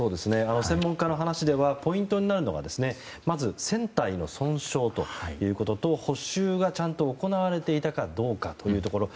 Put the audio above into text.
専門家の話ではポイントになるのが船体の損傷ということと補修がちゃんと行われていたかどうかというところ。